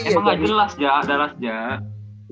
emang gak jelas ya darah sejak